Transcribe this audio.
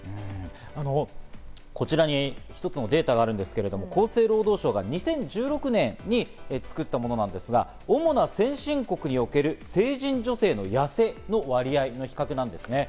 こちらに一つのデータがあるんですけど、厚生労働省が２０１６年に作ったものなんですが、主な先進国における成人女性の痩せの割合の比較です。